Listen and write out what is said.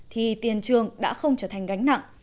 thì tiền trường đã không trở thành gánh nặng